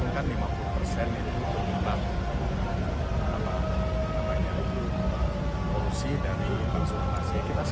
kami berpikir apa yang kita lakukan polusi dari konsultasi